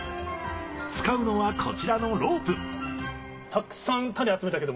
使うのはこちらのロープ。